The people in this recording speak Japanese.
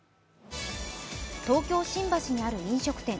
東京・新橋にある飲食店。